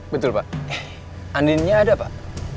betul pak andinnya ada pak